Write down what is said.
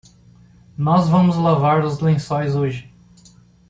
Nós vamos lavar os lençóis hoje